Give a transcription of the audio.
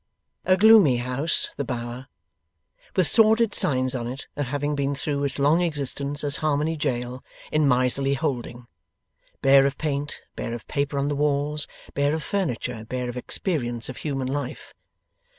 A gloomy house the Bower, with sordid signs on it of having been, through its long existence as Harmony Jail, in miserly holding. Bare of paint, bare of paper on the walls, bare of furniture, bare of experience of human life.